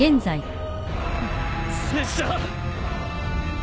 拙者。